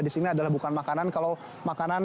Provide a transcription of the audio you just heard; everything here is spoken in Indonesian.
di sini adalah bukan makanan kalau makanan